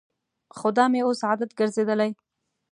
خو دا مې اوس عادت ګرځېدلی.